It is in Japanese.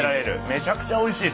めちゃくちゃおいしい。